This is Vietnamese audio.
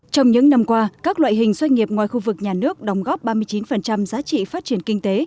trong những năm qua các loại hình doanh nghiệp ngoài khu vực nhà nước đồng góp ba mươi chín giá trị phát triển kinh tế